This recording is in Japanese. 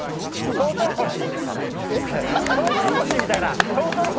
とうとろこし？